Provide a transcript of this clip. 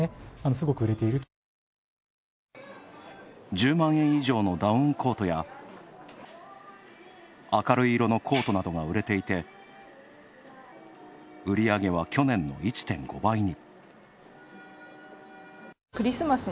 １０万円以上のダウンコートや明るい色のコートなどが売れていて売り上げは去年の１．５倍に。